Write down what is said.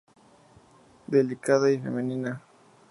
Delicada y femenina.